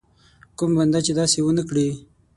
کوم بنده چې داسې ونه کړي.